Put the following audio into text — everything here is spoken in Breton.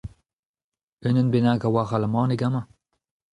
Unan bennak a oar alamaneg amañ ?